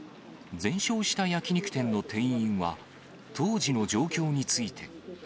全焼した焼き肉店の店員は、当時の状況について。